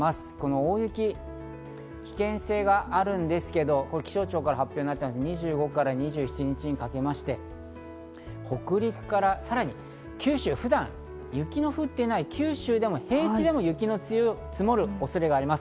大雪、危険性があるんですが、気象庁から発表になった２５から２７日にかけまして、北陸からさらに九州、普段、雪の降っていない九州でも、平地でも雪の積もる恐れがあります。